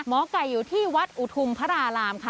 หมอไก่อยู่ที่วัดอุทุมพระรารามค่ะ